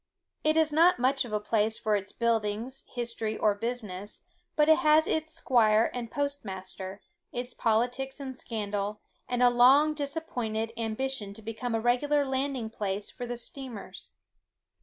It is not much of a place for its buildings, history, or business; but it has its squire and post master, its politics and scandal, and a long disappointed ambition to become a regular landing place for the steamers.